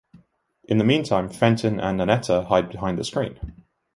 In the meantime Fenton and Nannetta hide behind the screen.